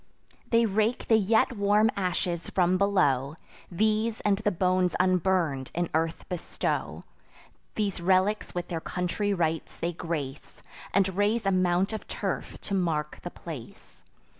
They rake the yet warm ashes from below; These, and the bones unburn'd, in earth bestow; These relics with their country rites they grace, And raise a mount of turf to mark the place.